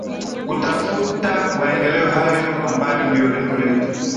kutafuta maendeleo hayo ambayo ndio lengo letu